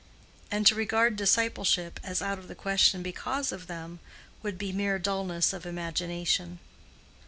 And to regard discipleship as out of the question because of them, would be mere dullness of imagination.